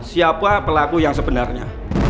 siapa pelaku yang sebenarnya